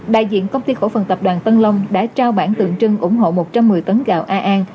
đại diện công ty cổ phần tập đoàn tân long đã trao bản tượng trưng ủng hộ một trăm một mươi tấn gạo a an